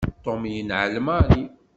Tom yenɛel Mary.